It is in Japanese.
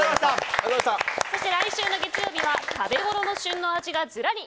来週の月曜日は食べ頃の旬の味がズラり！